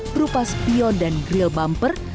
berupa spion dan grill bumper